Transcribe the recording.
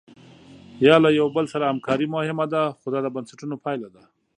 یا له یو بل سره همکاري مهمه ده خو دا د بنسټونو پایله ده.